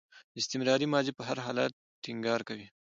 استمراري ماضي پر حالت ټینګار کوي.